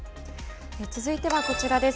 続いてはこちらです。